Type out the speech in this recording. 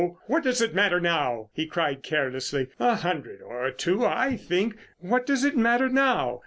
What does it matter now?" he cried carelessly. "A hundred or two, I think. What does it matter now?